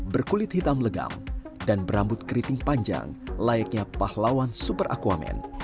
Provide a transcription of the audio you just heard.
berkulit hitam legam dan berambut keriting panjang layaknya pahlawan super akuamen